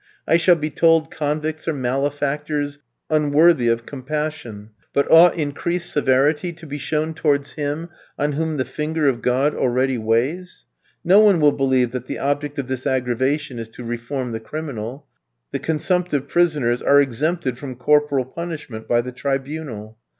I shall be told convicts are malefactors, unworthy of compassion; but ought increased severity to be shown towards him on whom the finger of God already weighs? No one will believe that the object of this aggravation is to reform the criminal. The consumptive prisoners are exempted from corporal punishment by the tribunal.